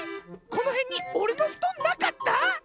このへんにおれのふとんなかった？